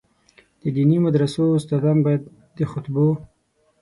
د دیني مدرسو استادان باید د خطبو.